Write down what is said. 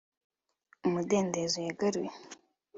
Umudendezo yagaruye